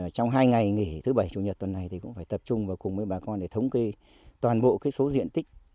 trong hai ngày nghỉ thứ bảy chủ nhật tuần này thì cũng phải tập trung vào cùng với bà con để thống kê toàn bộ số diện tích